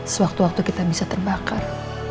sewaktu waktu kita bisa terbakar